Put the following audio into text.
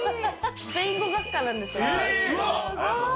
スペイン語学科なんですよね、うわっ！